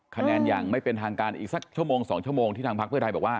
คะแนนอย่างไม่เป็นทางการอีกสักชั่วโมง๒ชั่วโมงที่ทางพักเพื่อไทยบอกว่า